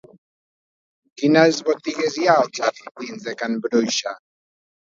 Quines botigues hi ha als jardins de Can Bruixa?